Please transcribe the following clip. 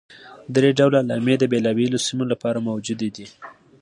درې ډوله علامې د بېلابېلو سیمو لپاره موجودې دي.